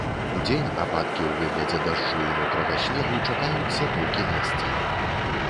Удзень ападкі ў выглядзе дажджу і мокрага снегу чакаюцца толькі месцамі.